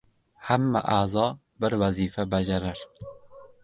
Hamma a’zo bir vazifa bajarar